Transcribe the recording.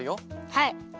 はい。